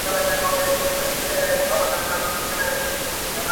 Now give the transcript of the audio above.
لږ صبر سه توپانه لا څپې دي چي راځي٫